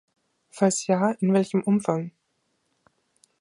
Falls ja, in welchem Umfang?